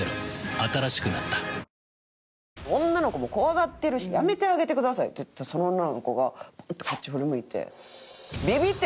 新しくなった「女の子も怖がってるしやめてあげてください」って言ったらその女の子がバッてこっち振り向いて。